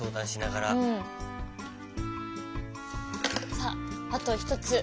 さああと１つ。